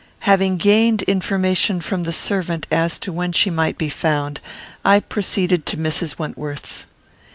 Having gained information from the servant as to when she might be found, I proceeded to Mrs. Wentworth's.